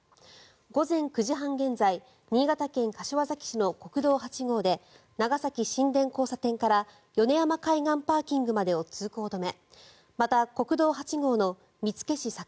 午前９時半現在新潟県柏崎市の国道８号で長崎新田交差点から米山海岸パーキングまでを通行止め。